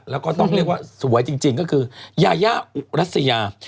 แล้วก็ต้องเรียกว่าสวยจริงก็คือยายาอุรัสยา